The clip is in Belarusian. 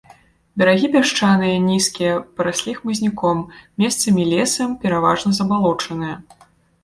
Берагі пясчаныя, нізкія, параслі хмызняком, месцамі лесам, пераважна забалочаныя.